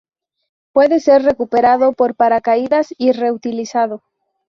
Puede ser recuperado por paracaídas y reutilizado.